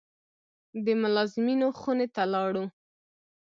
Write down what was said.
د ملازمینو خونې ته لاړو.